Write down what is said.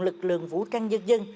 lực lượng vũ trang nhân dân